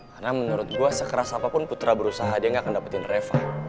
karena menurut gue sekeras apapun putra berusaha dia gak akan dapetin reva